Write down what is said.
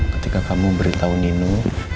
ketika kamu beritahu nino